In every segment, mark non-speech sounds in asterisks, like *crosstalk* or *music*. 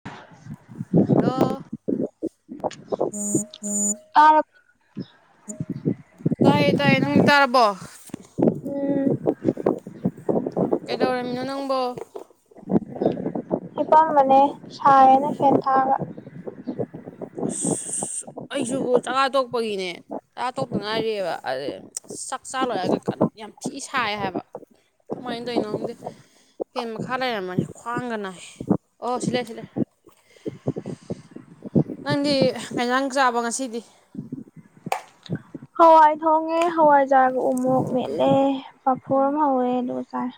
*unintelligible* Hello. ꯇꯥꯔ ꯇꯥꯏꯌꯦ ꯇꯥꯏꯌꯦ ꯅꯪ ꯇꯥꯔꯕꯣ꯫ ꯎꯝ꯫ ꯀꯩꯗꯧꯔꯝꯃꯤꯅꯣ ꯅꯪꯕꯣ꯫ ꯍꯤꯄꯥꯝꯕꯅꯦ ꯁꯥꯏꯌꯦꯅ ꯐꯦꯟ ꯊꯥꯔꯒ꯫ ꯑꯁ ꯑꯩꯖꯨ ꯆꯥꯛ ꯆꯥ ꯇꯣꯛꯄꯒꯤꯅꯦ ꯆꯥ ꯇꯣꯛꯇ ꯉꯥꯏꯔꯤꯑꯕ ꯑꯗꯤ ꯆꯥꯛ ꯆꯥꯂꯣꯏꯔꯒ ꯀꯟ ꯌꯥꯝ ꯊꯤ ꯁꯥꯏ ꯍꯥꯏꯕ꯫ ꯀꯃꯥꯏ ꯇꯧꯔꯤꯅꯣ ꯈꯪꯗꯦ꯫ ꯐꯦꯟ ꯃꯈꯥ ꯂꯩꯔꯝꯕꯅꯤ ꯈ꯭ꯋꯥꯡꯒ ꯅꯥꯏ ꯑꯣ ꯁꯤ ꯂꯩꯔꯦ ꯁꯤ ꯂꯩꯔꯦ꯫ ꯅꯪꯗꯤ ꯀꯩꯏꯟꯖꯥꯡ ꯆꯥꯕ ꯉꯁꯤꯗꯤ꯫ ꯍꯋꯥꯏ ꯊꯣꯡꯉꯦ ꯍꯋꯥꯏꯖꯥꯔꯒ ꯎꯃꯣꯔꯣꯛ ꯃꯦꯠꯂꯦ꯫ ꯄꯥꯐꯣꯔꯒ ꯍꯧꯋꯦ ꯑꯗꯨꯨꯒ ꯆꯥꯏ꯫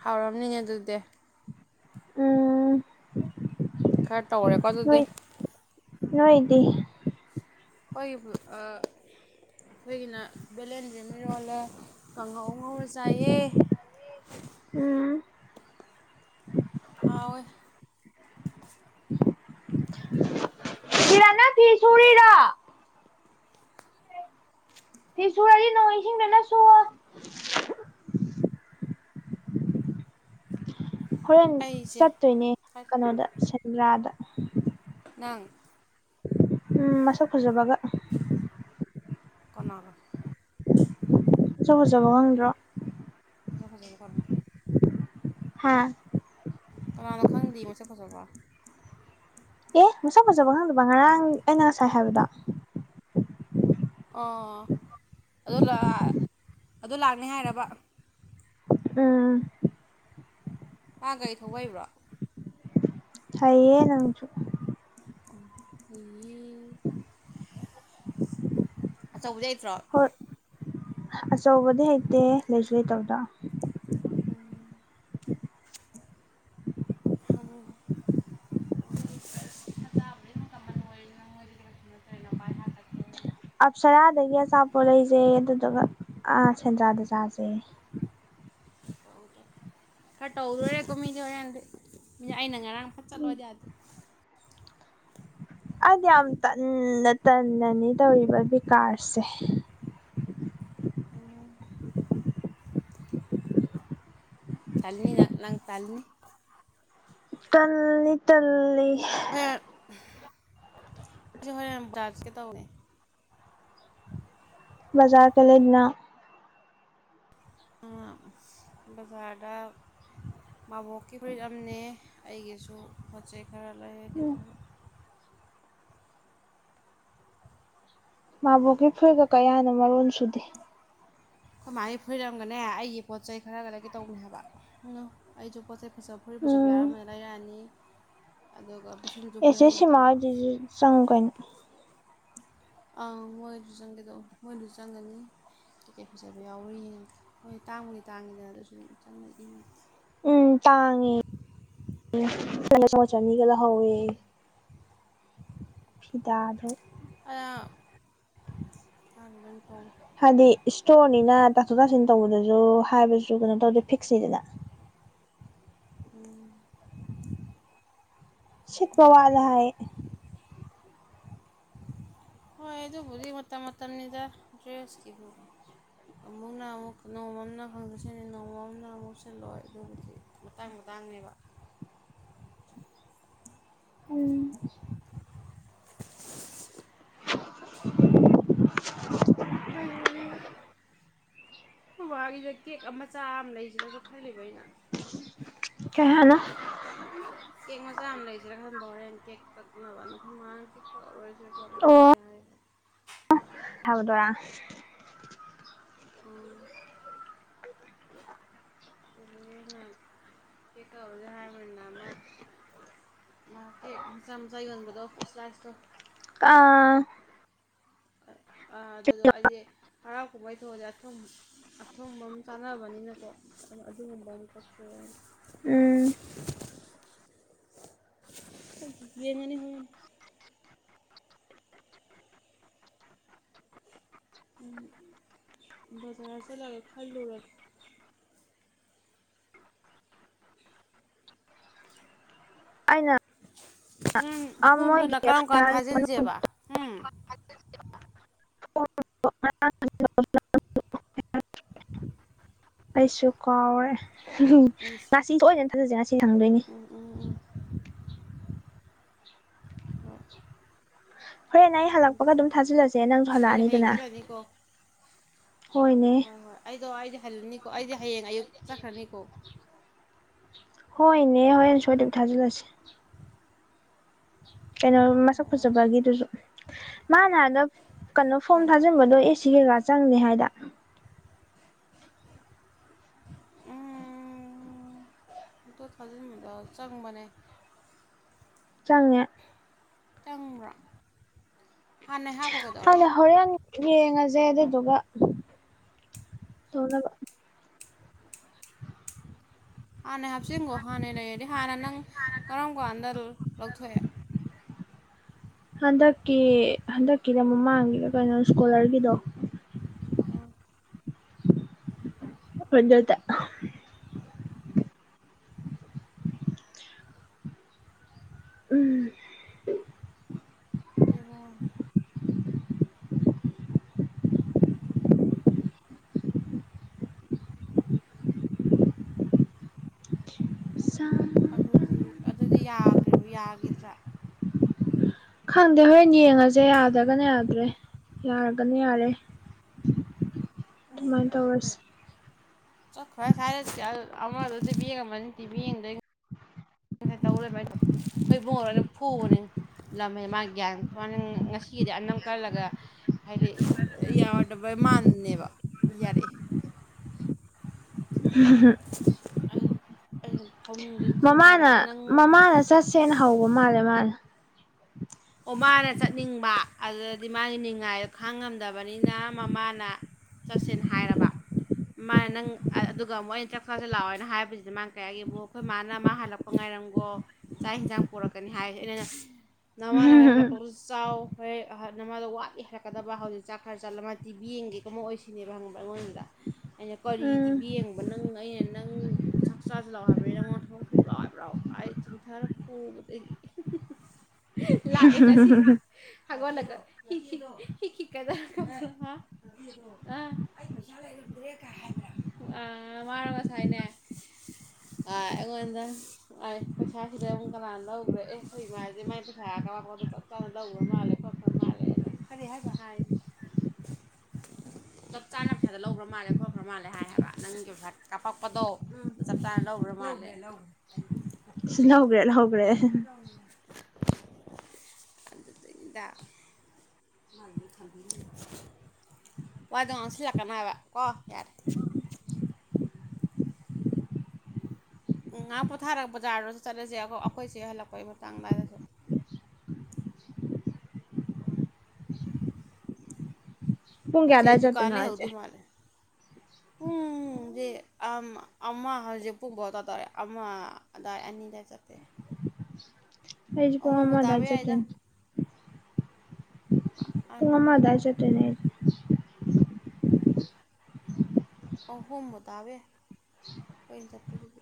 ꯍꯥꯎꯔꯝꯅꯤꯅꯦ ꯑꯗꯨꯗꯤ ꯎꯝ ꯈꯔ ꯇꯧꯔꯦꯀꯣ ꯑꯗꯨꯗꯤ ꯅꯣꯏ ꯅꯣꯏꯗꯤ ꯍꯣꯏꯕꯨ ꯑꯥ ꯑꯩꯈꯣꯏꯒꯤꯅ ꯕꯦꯂꯦꯟꯗ꯭ꯔꯤ ꯑꯃ ꯏꯔꯣꯜꯂꯦ ꯀꯥꯡꯍꯧ ꯉꯧꯔ ꯆꯥꯏꯌꯦ ꯎꯝ ꯍꯥꯎꯋꯦ *unintelligible* ꯁꯤ ꯁꯨꯔꯤꯔꯥ ꯐꯤ ꯁꯨꯔꯥꯗꯤ ꯅꯣꯡ ꯏꯁꯤꯡꯅ ꯁꯨꯑꯣ ꯍꯣꯔꯦꯟ ꯑꯩꯁꯦ ꯆꯠꯇꯣꯏꯅꯦ ꯀꯩꯅꯣꯗ ꯁꯦꯟꯗ꯭ꯔꯥꯗ ꯅꯪ ꯎꯝ ꯃꯁꯛ ꯐꯖꯕꯒ ꯀꯟꯅꯒ ꯃꯥꯁꯛ ꯐꯖꯕ ꯉꯪꯗ꯭ꯔꯣ ꯃꯁꯥꯅ ꯐꯖꯕ ꯈꯟꯂꯨ ꯍꯥꯥ ꯀꯅꯥꯅꯣ ꯈꯪꯗꯦ ꯃꯁꯛ ꯐꯖꯕ ꯑꯦ ꯃꯁꯥꯛ ꯐꯖꯕ ꯉꯪꯗꯕ ꯉꯔꯥꯡ ꯑꯩꯅ ꯉꯁꯥꯏ ꯍꯥꯏꯕꯗꯣ ꯑꯣ ꯑꯗꯨ ꯂꯥꯛ ꯑꯗꯨ ꯂꯥꯛꯅꯤ ꯍꯥꯏꯔꯕ ꯎꯝ ꯃꯥ ꯒꯥꯔꯤ ꯊꯧꯕ ꯍꯩꯕ꯭ꯔꯣ ꯍꯩꯌꯦ ꯅꯪꯁꯨꯨ ꯐꯩꯌꯦ ꯑꯆꯧꯕꯗꯤ ꯂꯩꯇ꯭ꯔꯣ ꯍꯣꯏ ꯑꯆꯧꯕꯗꯤ ꯍꯩꯇꯦꯍꯦ ꯂꯩꯁꯨ ꯂꯩꯇꯕꯗꯣ ꯎꯝ *unintelligible* ꯍꯇꯥꯕꯨꯗꯤ ꯑꯗꯨꯝ ꯀꯃꯟ ꯑꯣꯏ ꯅꯪꯉꯣꯏꯗꯗꯤ ꯀꯩꯁꯨ ꯅꯠꯇ꯭ꯔꯦꯅ ꯚꯕꯥꯏ ꯍꯥꯞꯀꯠ ꯑꯞꯁꯔꯥꯗꯒꯤ ꯑꯆꯥꯄꯣꯠ ꯂꯩꯖꯩꯍꯦ ꯑꯗꯨꯗꯨꯒ ꯑꯥ ꯁꯦꯟꯗ꯭ꯔꯥꯗ ꯆꯥꯖꯩꯍꯦ ꯆꯥꯎꯖꯣ ꯈꯔ ꯇꯧꯗꯨꯔꯦꯀꯣ ꯃꯤꯗꯤ ꯍꯣꯔꯦꯟꯗꯤ ꯃꯤ ꯑꯩꯅ ꯉꯔꯥꯡ ꯐꯠ ꯎꯝ ꯆꯠꯂꯣꯗꯤ ꯌꯥꯗꯦ ꯑꯩꯗꯤ ꯌꯥꯝ ꯇꯟꯅ ꯇꯟꯅꯅꯤ ꯇꯧꯔꯤꯕ ꯕꯤꯀꯥꯔꯁꯦ ꯑꯣ ꯇꯟꯅꯤ ꯅꯪ ꯅꯪ ꯇꯥꯜꯅꯤ ꯇꯜꯂꯤ ꯇꯜꯂꯤ *unintelligible* ꯁꯤ ꯍꯨꯔꯦꯟ ꯆꯠꯁꯤ ꯇꯧꯅꯦ ꯕꯥꯖꯥꯔ ꯆꯠꯂꯦꯗꯅ ꯑꯥ ꯕꯥꯖꯥꯔꯗ ꯃꯥꯕꯣꯛꯀꯤ ꯐꯨꯔꯤꯠ ꯑꯃꯅꯦ ꯑꯩꯒꯤꯁꯨ ꯄꯣꯠ ꯆꯩꯩ ꯈꯔ ꯂꯩ ꯎꯝ ꯀꯩꯗꯧꯕꯅꯦ ꯃꯥꯕꯣꯛꯒꯤ ꯐꯨꯔꯤꯠꯒ ꯀꯩ ꯍꯥꯏꯅꯣ ꯃꯔꯣꯟ ꯁꯨꯗꯦ ꯈꯣꯏꯃꯥꯒꯤ ꯐꯨꯔꯤꯠ ꯑꯃꯒꯅꯦ ꯑꯩꯒꯤ ꯄꯣꯠ ꯆꯩ ꯈꯔꯒ ꯂꯩꯔꯛꯀꯦ ꯇꯧꯅꯦ ꯍꯥꯏꯕ ꯑꯩꯁꯨ ꯄꯣꯠ ꯆꯩꯩ ꯐꯆ ꯐꯣꯔꯤ ꯐꯆꯞ ꯎꯝ ꯌꯥꯎꯔꯝꯕꯅ ꯂꯩꯔꯛꯑꯅꯤ ꯑꯗꯨꯒ ꯄꯤꯁꯨꯝꯁꯨ ꯑꯦꯁꯦ ꯐꯣꯏꯍꯟꯒꯦ ꯁꯤꯃꯥ ꯇꯧꯕ ꯖꯨ ꯆꯪꯒꯅꯤ ꯑꯪ ꯃꯣꯏꯁꯨ ꯆꯪꯒꯦꯗꯧꯕ ꯃꯣꯏꯁꯨ ꯆꯪꯒꯅꯤ ꯇꯤꯀꯦꯠ ꯐꯖꯕ ꯌꯥꯎꯔꯤꯅ ꯍꯣꯏ ꯇꯥꯡꯕꯨꯗꯤ ꯇꯥꯡꯉꯤꯗꯅ ꯑꯗꯨꯁꯨ ꯆꯪꯅ ꯏꯉ ꯎꯝ ꯇꯥꯡꯉꯦ *unintelligible* *unintelligible* *unintelligible* *unintelligible* ꯍꯥꯏꯗꯤ ꯏꯁꯇꯣꯔꯅꯤꯅ ꯇꯥꯊꯣꯛ ꯇꯥꯁꯤꯟ ꯇꯧꯕꯗꯁꯨ ꯍꯥꯏꯕꯁꯨ ꯀꯩꯅꯣ ꯇꯧꯗꯦ ꯐꯤꯛꯁꯅꯤꯗꯅ ꯎꯝ ꯁꯤ ꯄꯋꯥ ꯅꯦ ꯍꯥꯏ ꯍꯣꯢ ꯑꯗꯨꯕꯨꯗꯤ ꯃꯇꯝ ꯃꯇꯝꯅꯤꯗꯥ ꯗ꯭ꯔꯦꯁ ꯀꯤꯕꯨ ꯑꯃꯨꯛꯅ ꯑꯃꯨꯛ ꯅꯣꯡꯃ ꯑꯃꯅ ꯈꯪꯗꯦꯁꯦꯠꯅꯤ ꯅꯣꯡꯃ ꯑꯃꯅ ꯑꯃꯨꯛ ꯁꯤꯜꯂꯣꯏ ꯑꯗꯨꯕꯨꯗꯤ ꯃꯇꯥꯡ ꯃꯇꯥꯡꯅꯦꯕ ꯎꯝ *unintelligible* ꯑꯩꯈꯣꯏ ꯕꯥꯒꯤꯁꯦ ꯀꯦꯛ ꯑꯃꯆꯥ ꯑꯃ ꯂꯩꯁꯤꯔꯁꯨ ꯈꯜꯂꯤꯕ ꯑꯩꯅ ꯀꯩꯍꯥꯢꯅꯣ ꯀꯦꯛ ꯃꯆꯥ ꯑꯃ ꯂꯩꯁꯤꯔꯥ ꯈꯟꯕ ꯍꯣꯔꯦꯟ ꯀꯦꯛ ꯀꯛꯅꯕ ꯑꯗꯣ ꯑꯩꯈꯣꯢ ꯃꯥꯅ ꯀꯤꯛ ꯀꯛꯂꯔꯣꯏ ꯑꯦꯔꯄꯣꯠ ꯌꯣꯢꯔꯨꯁꯦ ꯍꯥꯢ ꯊꯧꯗꯨꯌꯥ ꯑꯥ..... ꯇꯨꯅꯤꯑ ꯍꯥꯢ ꯊꯤꯀꯥꯎꯔꯨꯁꯦ ꯍꯥꯢꯕ꯭ꯔꯣ ꯅꯝ ꯃꯥꯀꯦꯛ ꯃꯆꯥ ꯃꯆꯥꯥ ꯌꯣꯟꯕꯗꯣ ꯁ꯭ꯂꯥꯏꯁꯇꯣ ꯀꯥ..... ꯑ.. ꯑꯗꯨꯗꯣ ꯍꯥꯢꯗꯤ ꯍꯔꯥꯎ ꯀꯨꯝꯍꯩ ꯊꯣꯛꯑꯗꯤ ꯑꯆꯨꯝ ꯑꯊꯣꯡꯕ ꯑꯃ ꯆꯥꯅꯕꯅꯤꯅꯀꯣ ꯑ ꯑꯗꯨꯒꯨꯝꯕ ꯑꯃ ꯀꯛꯆꯩ ꯎꯝ ꯌꯦꯟꯑꯅꯤ ꯅꯨꯢ ꯎꯝ.... ꯕꯖꯥꯔ ꯆꯠꯂꯒ ꯈꯜꯂꯨꯔꯣ ꯑꯩꯅ ꯅꯪ ꯑ ꯐꯣꯝꯗꯨꯅ ꯃꯣꯏꯒꯤ ꯀꯔꯝ ꯀꯥꯟ ꯊꯥꯖꯤꯟꯁꯦꯕ ꯎꯝ *unintelligible* ꯑꯩꯁꯨ ꯀꯥꯎꯔꯦ ꯎ ꯏꯁ ꯉꯁꯤ ꯁꯣꯏꯗꯅ ꯊꯥꯖꯁꯦ ꯉꯁꯤ ꯁꯪꯗꯣꯏꯅꯤ ꯎꯝ ꯎꯝ ꯎꯝ... ꯍꯣꯢ ꯍꯣꯔꯦꯟ ꯑꯩ ꯍꯜꯂꯛꯄꯒ ꯑꯗꯨꯝ ꯊꯥꯖꯤꯜꯂꯁꯦ ꯅꯪꯁꯨ ꯑꯩꯗꯤ ꯍꯌꯦꯡ ꯍꯜꯂꯛꯑꯅꯤꯗꯅ ꯆꯠꯂꯅꯤꯀꯣ ꯍꯣꯏꯅꯦ ꯍꯣꯏ ꯍꯣꯏ ꯑꯩꯗꯣ ꯑꯩꯗꯤ ꯍꯜꯂꯅꯤꯀꯣ ꯑꯩꯗꯤ ꯍꯌꯦꯡ ꯑꯌꯨꯛ ꯆꯠꯈ꯭ꯔꯅꯤꯀꯣ ꯍꯣꯏꯅꯦ ꯍꯣꯔꯦꯟ ꯁꯣꯏꯗꯅ ꯊꯥꯖꯤꯜꯂꯁꯤ ꯀꯩꯅꯣ ꯃꯁꯛ ꯍꯣꯏ ꯍꯣꯏ ꯐꯖꯕꯒꯤꯗꯨꯁꯨ ꯃꯥ ꯂꯥꯟꯗ..... ꯀꯩꯅꯣ ꯐꯣꯝ ꯍꯣꯏ ꯍꯣꯏ ꯊꯥꯖꯤꯟꯕꯗꯣ ꯑꯦ ꯁꯤ ꯀꯩꯀꯥ ꯆꯪꯅꯦ ꯍꯥꯏꯗ ꯎꯝ...... ꯑꯇꯨ ꯐꯖꯅꯀ ꯆꯪꯕꯅꯦ ꯆꯪꯉꯦ ꯆꯪꯕ꯭ꯕꯥ ꯑꯩ ꯍꯣꯔꯦꯟ ꯌꯦꯡꯉꯁꯦ ꯑꯗꯨꯗꯨꯒ ꯇꯧꯅꯕ ꯍꯥꯟꯅꯦ ꯍꯥꯞꯆꯤꯟꯈꯣ ꯍꯥꯟꯅꯩ ꯂꯩꯔꯗꯤ ꯍꯥꯟꯅ ꯅꯪ ꯀꯔꯝ ꯀꯥꯟꯗ ꯂꯧꯊꯣꯛꯑꯦ ꯍꯟꯗꯛꯀꯤ ꯍꯟꯗꯛꯀꯤꯔ ꯃꯃꯥꯡꯒꯤꯔ ꯀꯩꯅꯣ ꯁ꯭ꯀꯣꯂꯔꯒꯤꯗꯣ ꯑꯥ ꯈꯣꯟꯖꯦꯜꯇ ꯎꯝ..... ꯌꯦꯡꯉꯣ ꯑꯗꯨꯗꯤ ꯑꯗꯨꯗꯤ ꯌꯥꯈꯤ ꯌꯥꯈꯤꯗ꯭ꯔꯥ ꯈꯪꯗꯦ ꯍꯣꯔꯦꯟ ꯌꯦꯡꯉꯁꯦ ꯌꯥꯗꯔꯥꯒꯅ ꯌꯥꯗ꯭ꯔꯦ ꯌꯥꯔꯒꯅ ꯌꯥꯔꯦ *unintelligible* ꯏꯅꯦꯗꯣ ꯑꯗꯨꯃꯥꯏꯅ ꯀꯔꯥꯢ ꯆꯠꯈ꯭ꯔꯦ ꯇꯧꯔꯁꯤ ꯆꯥꯠꯈ꯭ꯔꯦ ꯁ꯭ꯋꯥꯢꯗ ꯑꯃꯗꯣ ꯇꯤ ꯚꯤ ꯌꯦꯡꯂꯝ ꯑꯅꯤ ꯇꯤ ꯚꯤ ꯌꯦꯡꯗꯣꯢꯅꯦ ꯑꯩꯅ ꯇꯧꯔꯦꯕ ꯑꯩꯅ ꯑꯩꯈꯣꯏ ꯏꯕꯨꯡꯈꯣꯢꯅ ꯐꯨꯅꯤ ꯂꯝꯍꯦꯟ ꯃꯥ ꯒ꯭ꯌꯥꯟ ꯂꯝꯍꯦꯟ ꯉꯁꯤꯗꯤ ꯑꯅꯝ ꯀꯜꯂꯒ ꯍꯥꯏꯗꯤ ꯌꯥꯔꯣꯢꯗꯕ ꯃꯟꯅꯦꯕ ꯌꯥꯔꯛꯑꯦ ꯍꯝ....... ꯑꯩ ꯑꯩꯅ ꯐꯃꯨꯡꯗꯒꯤ ꯃꯃꯥꯅ ꯆꯤꯡꯊꯔꯒ ꯅꯪ ꯃꯃꯥꯅ ꯆꯠꯁꯦꯅ ꯍꯧꯕ ꯃꯥꯜꯂꯦ ꯃꯥꯅꯥ ꯑꯣ ꯃꯥꯅ ꯆꯠꯅꯤꯡꯕ ꯑꯗꯨꯗꯗꯤ ꯃꯥꯒꯤ ꯅꯤꯡꯉꯥꯏꯗꯣ ꯈꯥꯡꯉꯝꯗꯕꯅꯤꯅ ꯃꯃꯥꯅ ꯆꯠꯁꯤꯟ ꯍꯥꯏꯔꯕ ꯃꯥ ꯅꯪ ꯑꯗꯨꯒ ꯑꯃꯨꯛ ꯑꯩꯅ ꯆꯥꯛ ꯆꯁꯤꯦ ꯂꯥꯛꯑꯣ ꯍꯥꯏꯅ ꯍꯥꯏꯕꯁꯤꯗ ꯃꯥꯅ ꯀꯌꯥꯒꯤꯕꯨ ꯑꯩꯈꯣꯏ ꯃꯥꯅ ꯃꯥ ꯍꯜꯂꯛꯄ ꯄ ꯉꯥꯏꯔꯝꯈꯣ ꯆꯥꯛ ꯌꯦꯟꯁꯥꯡ ꯄꯨꯔꯛꯀꯅꯤ ꯍꯥꯏꯁꯦ ꯑꯩꯅꯩꯅ ꯅꯃꯥꯟ ꯅꯋꯥꯣꯏ ꯍꯜꯂꯛꯄ ꯆꯥꯎ ꯍꯦꯛ ꯅ ꯃꯥꯗ ꯋꯥꯠꯂꯤ ꯍꯔꯛꯀꯗꯕ ꯍꯧꯖꯤꯛ ꯆꯥꯛ ꯈꯔ ꯆꯠꯂꯝ ꯑꯃ ꯇꯤꯚꯕꯤ ꯌꯦꯡ ꯀꯩ ꯀꯨꯝꯃ ꯑꯣꯏꯁꯤꯦ ꯁꯤꯅꯦꯕ ꯍꯪꯕ꯭ꯔꯥ ꯑꯩꯉꯣꯟꯗ ꯑꯩꯅ ꯀꯔꯤ ꯎꯝ ꯇꯤꯕ ꯌꯦꯡꯕ ꯅꯪ ꯑꯩꯅ ꯅꯪ ꯆꯥꯛ ꯆꯥꯁꯤꯜꯂꯥꯛ ꯍꯥꯏꯕꯅꯤ ꯅ ꯃꯣꯟ ꯊꯣꯛ ꯐꯨ ꯂꯥꯛꯏꯕ꯭ꯔꯥ ꯑꯩꯥꯏ ꯆꯤꯡꯊꯔ ꯄꯨꯕꯗꯒꯤ ꯂꯥꯛꯅꯁꯤ ꯑꯒꯣꯣ ꯍꯦꯗ ꯀ ꯑ ꯩꯔꯗ ꯍꯥꯏ꯭ꯔ ꯃꯥꯔ ꯉꯁꯥꯏꯅꯦ ꯑꯩꯉꯣꯟꯗ ꯑꯩ ꯄꯩꯁꯥꯁꯤꯗ ꯑꯃꯨꯛ ꯀꯅꯥ ꯂꯧꯈ꯭ꯔꯦ ꯑꯦ ꯀ ꯃꯥ ꯍꯥꯏꯁꯦ ꯃꯥꯏ ꯄꯩ ꯀꯔꯄꯣꯗꯣ ꯆꯞ ꯆꯥꯅ ꯂꯧꯈ꯭ꯔ ꯃꯥꯜꯂꯦ ꯈꯣꯠꯈ꯭ꯔ ꯃꯥꯜꯂꯦꯅ ꯀꯔꯤ ꯍꯥꯏꯕ ꯍꯥꯏꯅ *unintelligible* ꯆꯞ ꯆꯥꯅꯩꯁꯥꯣ ꯂꯧꯈ꯭ꯔ ꯃꯥꯜꯂꯦ ꯈꯣꯠꯈ꯭ꯔ ꯃꯥꯜꯂꯦ ꯍꯥꯏꯌꯦꯕ ꯅꯪꯒꯤ ꯄꯩꯥ ꯀꯥꯄꯛꯄꯗꯣ ꯎ ꯇ ꯔ ꯃꯣꯥꯟꯅꯦ ꯂꯧꯈ꯭ꯔꯦ ꯂꯧꯍꯈ꯭ꯔꯦ ꯑꯗꯨꯗꯩꯗ ꯕꯤ ꯋꯥꯏꯗꯣ ꯉꯥꯡꯁꯤꯜꯂꯛꯀꯅꯤ ꯍꯥꯏꯕ ꯀꯣ ꯌꯥꯔꯦ ꯉꯥꯏꯍꯥꯛ ꯄꯣꯊꯥꯔꯒ ꯕꯖꯥꯔꯗꯁꯨ ꯆꯂꯁꯦ ꯑꯩꯈꯣꯏꯁꯦ ꯍꯜꯂꯛꯄꯩ ꯃꯇꯥꯡꯗꯋꯥꯏꯗꯁꯨ ꯄꯨꯡ ꯑꯩꯈꯣꯏ ꯆꯦ ꯀꯌꯥꯗ ꯆ ꯗꯨꯀꯥꯟ ꯑꯗꯨꯅꯆꯦ ꯂꯩꯍꯧꯗꯣꯏ ꯎ ꯄꯨꯡꯗꯤꯦ ꯑꯃ ꯍꯧꯖꯤꯛ ꯄꯨꯡ ꯐꯥꯎ ꯇꯥ ꯇꯧꯔꯦ ꯑꯃ ꯑꯗꯥꯏ ꯑꯅꯤꯗꯥꯏ ꯆꯠꯇꯦ ꯐꯩꯖ ꯇꯥꯕ ꯃꯍꯝꯃꯗꯖꯠꯇ ꯌꯥꯏꯗ ꯄꯨꯡꯉꯃ ꯑꯅꯤ ꯑꯗ ꯆꯠꯇꯅꯦ ꯎꯝ ꯑꯍꯨꯝꯕ ꯇꯥꯕꯦ ꯀꯩꯅ ꯆꯠꯄꯗꯨꯗꯤ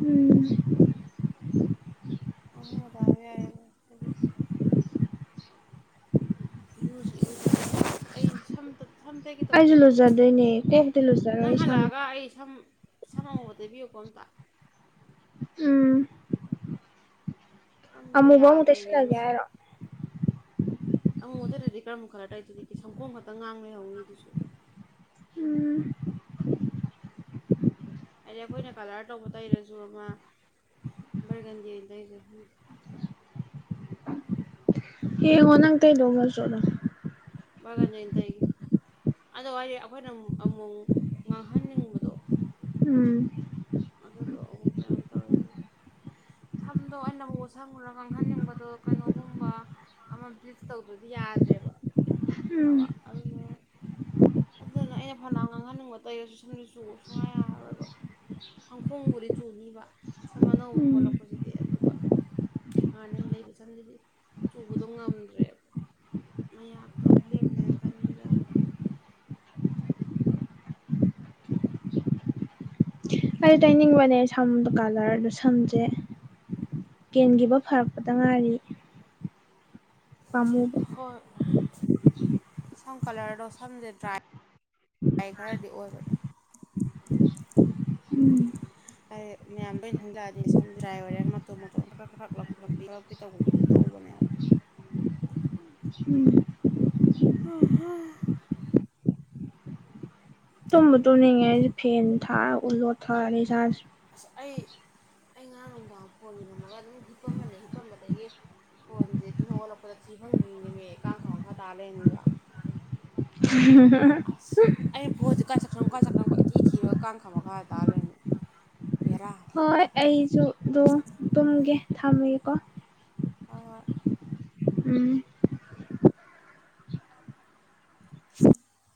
ꯎꯝ ꯑꯅ ꯃꯗꯥꯕ ꯍꯥꯏꯕ ꯀꯗꯤ ꯌꯨꯨ ꯑꯩ ꯁꯝꯇ ꯁꯝꯇꯒꯦ ꯑꯩꯁꯨ ꯇꯧꯕꯅꯦ ꯂꯨꯖꯗꯣꯏꯅꯦ ꯑꯦ ꯀꯣꯛꯇꯤ ꯅꯪ ꯂꯨꯖꯔꯣꯏ ꯁꯥꯃꯤ ꯍꯜꯂꯛꯑꯒ ꯑꯩ ꯁꯝ ꯁꯥꯟꯅꯉꯕꯗ ꯂꯩꯕꯤꯌꯨꯀꯣ ꯑꯝꯇ ꯎꯝ ꯁꯝꯁꯦ ꯑꯃꯨꯕ ꯑꯃꯨ ꯌꯥꯗ꯭ꯔꯦ ꯏꯕꯦꯝꯃ ꯇꯩꯁꯤꯜꯂꯒꯦ ꯁꯤ ꯍꯥꯏꯔꯣ ꯑꯃꯨꯛ ꯑꯗꯗꯤ ꯀꯔꯝ ꯈꯔ ꯇꯧꯏ ꯑꯗꯨꯗꯤ ꯁꯪꯐꯣꯡ ꯈꯛꯇꯪ ꯉꯥꯡ ꯂꯩꯍꯧꯅꯤꯗꯨꯁꯨ ꯎꯝ ꯍꯥꯏꯗꯤ ꯑꯩꯈꯣꯏꯅ ꯀꯂꯔ ꯇꯧꯕ ꯇꯩꯔꯁꯨ ꯑꯃ ꯕꯔꯒꯟꯗꯤ ꯇꯩꯔꯁꯨ ꯍ ꯍꯅꯥꯪ ꯇ ꯗꯣ ꯍ ꯁꯣꯗ ꯒꯟꯖꯇꯒꯤ ꯑꯗꯨ ꯍꯥꯏꯗꯤ ꯑꯩꯈꯣꯏꯅ ꯑꯃꯨꯛ ꯉꯥꯡꯍꯟꯅꯤꯡꯕꯗꯣ ꯎꯝ ꯑꯗꯨꯗ ꯑ ꯀꯌꯥꯝ ꯇꯧꯔꯣ ꯁꯝꯗꯣ ꯑꯩꯅꯕꯨꯠ ꯁꯪꯉꯨꯔ ꯈꯪꯍꯟꯅꯤꯡꯕꯗꯣ ꯀꯩꯅꯣꯒꯨꯝꯕ ꯑꯃ ꯕ꯭ꯂꯤꯆ ꯇꯧꯗ꯭ꯔꯗꯤ ꯎꯝ ꯌꯥꯗ꯭ꯔꯦꯕꯕ ꯑꯗꯨꯅꯦ ꯑꯗꯨꯅ ꯑꯩꯅ ꯐꯅ ꯉꯥꯡꯍꯟꯅꯤꯡꯕ ꯇꯩꯔꯁꯨ ꯁꯝꯁꯨ ꯆꯨꯕ ꯁꯨꯡꯉꯥꯏ ꯌꯥꯔꯔꯣꯏꯕ ꯐꯥꯡꯈꯣꯡꯕꯨꯗꯤ ꯆꯨꯅꯤꯕ ꯁꯝ ꯑꯅꯧꯕ ꯎꯝ ꯍꯧꯒꯠꯂꯛꯄꯁꯤꯗꯤ ꯑꯗꯨꯒ ꯍꯥꯟꯅ ꯂꯩꯕ ꯆꯪꯁꯤꯗꯤ ꯆꯨꯕꯗꯣ ꯉꯝꯗ꯭ꯔꯦꯕ ꯃ ꯌꯥꯥꯛ ꯇꯣꯕ꯭ꯂꯦꯠꯅꯦ ꯀꯟꯒꯔ ꯈꯪꯗꯦ ꯀꯔꯤ ꯁꯝꯁꯤꯁꯨ ꯇꯥꯏꯅꯤꯡꯡꯕꯅꯦꯁꯦ ꯁꯝꯗꯣ ꯀꯥꯂꯔꯗꯣ ꯁꯝꯁꯦ ꯀꯦꯟꯈꯤꯕ ꯐꯔꯛꯄꯗ ꯉꯥꯏꯔꯤ ꯄꯃꯨꯕ ꯍꯣꯏ ꯁꯝ ꯀꯂꯔꯗꯣ ꯁꯝꯁꯦ ꯗ꯭ꯔꯥꯏ ꯗ꯭ꯔꯥꯏ ꯈꯔꯗꯤ ꯑꯣꯏꯕꯅꯦ ꯑꯩ ꯃꯌꯥꯝꯗꯣꯏꯩꯅ ꯊꯟꯖꯛꯑꯅꯤ ꯁꯝꯗ꯭ꯔꯥꯏ ꯑꯣꯏꯔꯒ ꯃꯇꯣꯝ ꯃꯇꯣ ꯑꯃ ꯈꯔ ꯈꯔꯛ ꯂꯧꯛꯈꯠꯂꯛꯄꯤꯕ ꯑꯩꯈꯣꯏ ꯇꯧꯕꯗꯣ ꯑꯗꯨ ꯇꯧꯕꯅꯦꯕ ꯎꯝ ꯍ ꯇꯨꯝꯕ ꯇꯧꯅꯤꯡꯉꯦ ꯐꯦꯟ ꯊꯥꯛ ꯑꯣꯠꯂꯣ ꯊꯛꯑ ꯔꯤꯆꯥꯥꯔꯖ ꯑꯁ ꯑꯩ ꯑꯩ ꯉꯥ ꯅꯨꯡꯗꯥꯡ ꯐꯣꯟ ꯌꯔꯝꯃꯒ ꯑꯗꯨꯝ ꯍꯤꯞꯄꯝꯕꯅꯤ ꯍꯤꯞꯄꯝꯕꯗꯒꯤ ꯐꯣꯟꯁꯦ ꯑꯗꯨꯝ ꯍꯧꯒꯠꯂꯛꯄꯗ ꯊꯤ ꯐꯪꯗ꯭ꯔꯤꯅꯦꯃꯦꯀꯥꯡꯈꯪꯕ ꯃꯈꯥ ꯇꯥ ꯂꯩꯔꯅꯤꯕ ꯎ ꯍ ꯑꯁ ꯑꯩꯅ ꯐꯣꯟꯁꯦ ꯀꯥꯏ ꯆꯛꯁꯪ ꯈ꯭ꯋꯥꯏ ꯆ ꯁꯈ꯭ꯔꯪ ꯀ꯭ꯋꯥꯏꯇꯤ ꯊꯤꯔꯒ ꯀꯥꯡꯥꯟ ꯈꯝꯃ ꯈꯥꯇꯥꯥ ꯂꯩꯣꯏꯔꯅꯦ ꯕꯦꯔꯅꯦ ꯍꯣꯏ ꯑꯩꯁꯨ ꯑꯗꯨꯝ ꯇꯨꯝꯒꯦ ꯊꯝꯃꯦꯒꯦꯀꯣ ꯍꯥꯏ ꯍꯥꯏ ꯎꯝ *inaudible*